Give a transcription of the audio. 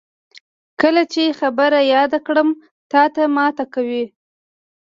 کله چې خبره یاده کړم، تاته ماته کوي.